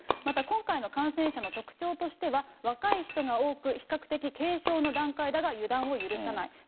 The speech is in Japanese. また、今回の感染者の特徴としては、若い人が多く、比較的、軽症の段階だが、予断を許さない。